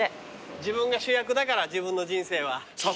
自分が主役だから自分の人生は。